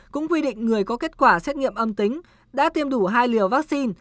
cũng quy định người có kết quả xét nghiệm âm tính đã tiêm đủ hai liều vaccine